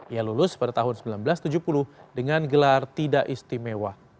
ia lulus pada tahun seribu sembilan ratus tujuh puluh dengan gelar tidak istimewa